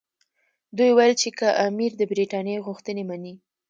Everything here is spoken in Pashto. دوی ویل چې که امیر د برټانیې غوښتنې مني.